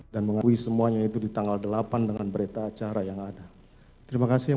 dan mengakui semuanya itu di tanggal delapan dengan berita acara yang ada terima kasih yang